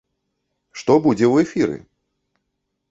Што будзе ў эфіры?